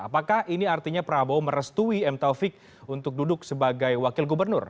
apakah ini artinya prabowo merestui m taufik untuk duduk sebagai wakil gubernur